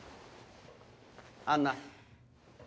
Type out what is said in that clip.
アンナ。